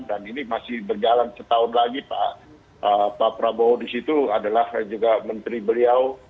dan ini masih berjalan setahun lagi pak prabowo di situ adalah juga menteri beliau